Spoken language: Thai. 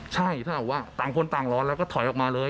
ใช่ถ้าแบบว่าต่างคนต่างร้อนแล้วก็ถอยออกมาเลย